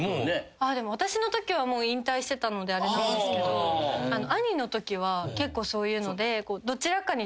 私のときはもう引退してたのであれなんですけど兄のときは結構そういうので。